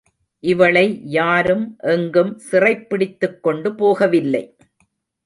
இவளை யாரும் எங்கும் சிறைப்பிடித்துக் கொண்டு போகவில்லை.